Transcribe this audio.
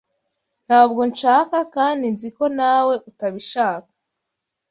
Ntabwo nshaka kandi nzi ko nawe utabishaka.